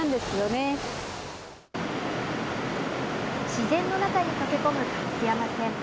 自然の中に溶け込む烏山線。